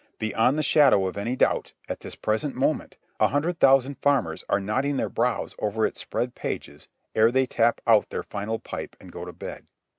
Beyond the shadow of any doubt, at this present moment, a hundred thousand farmers are knotting their brows over its spread pages ere they tap out their final pipe and go to bed.